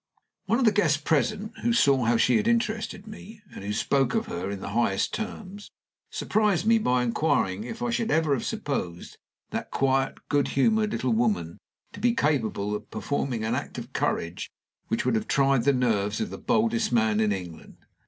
One of the guests present, who saw how she had interested me, and who spoke of her in the highest terms, surprised me by inquiring if I should ever have supposed that quiet, good humored little woman to be capable of performing an act of courage which would have tried the nerves of the boldest man in England?